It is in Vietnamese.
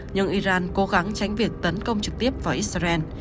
nhưng iran cố gắng tránh việc tấn công trực tiếp vào israel